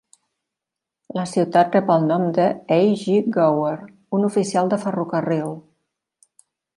La ciutat rep el nom de A. G. Gower, un oficial de ferrocarril.